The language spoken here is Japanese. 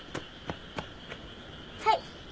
はい。